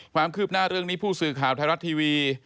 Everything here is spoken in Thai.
ความคืบหน้าเรื่องนี้ผู้สื่อข่าวไทยรัฐทีวี